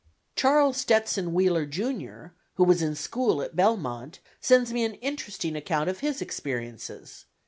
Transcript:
Charles Stetson Wheeler, Jr., who was in school at Belmont, sends me an interesting account of his experiences.